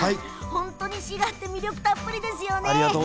本当に滋賀って魅力たっぷりですよね。